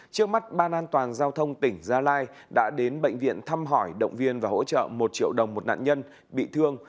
trước mắt ban an toàn giao thông tỉnh gia lai đã đến bệnh viện thăm hỏi động viên và hỗ trợ một triệu đồng một nạn nhân bị thương